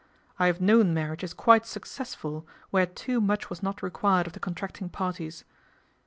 I have known marriages quite success ful where too much was not required of the con tracting parties."